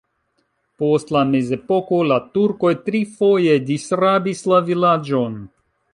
Post la mezepoko la turkoj trifoje disrabis la vilaĝon.